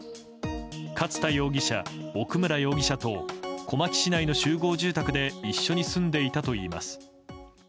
勝田容疑者、奥村容疑者と小牧市内の集合住宅で一緒に住んでいたといいます。